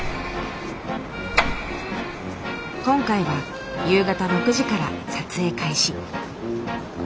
今回は夕方６時から撮影開始。